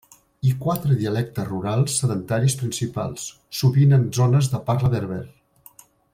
I quatre dialectes rurals sedentaris principals, sovint en zones de parla berber.